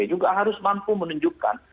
juga harus mampu menunjukkan